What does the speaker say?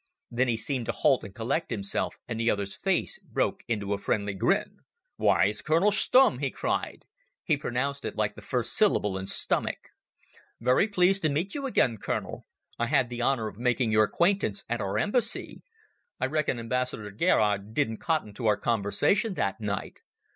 Then he seemed to halt and collect himself, and the other's face broke into a friendly grin. "Why, it's Colonel Stumm," he cried. (He pronounced it like the first syllable in "stomach".) "Very pleased to meet you again, Colonel. I had the honour of making your acquaintance at our Embassy. I reckon Ambassador Gerard didn't cotton to our conversation that night."